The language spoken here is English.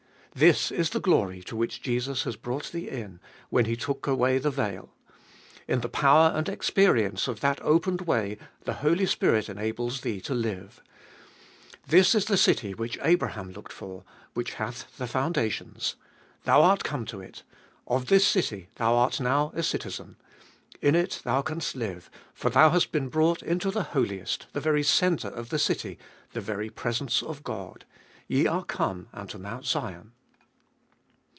This is the glory to which Jesus has brought thee in, when He took away the veil. In the power and experience of that opened way the Holy Spirit enables thee to live. This is the city which Abraham looked for, which hath the foundations. Thou art come to it. Of this city thou art now a citizen. In it thou canst live, for thou hast been brought into the Holiest, the very centre of the city, the very presence of God. Ye are come unto Mount Sion.